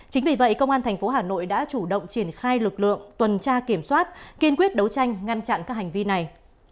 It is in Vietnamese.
chính vì vậy công an thành phố hà nội đã chủ động triển khai lực lượng tuần tra kiểm soát kiên quyết đấu tranh ngăn chặn các hành vi này